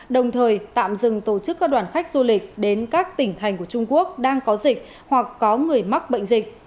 đồng thời tạm dừng tổ chức các đoàn khách du lịch đến các tỉnh thành của trung quốc đang có dịch hoặc có người mắc bệnh dịch